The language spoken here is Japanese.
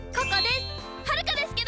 はるかですけど！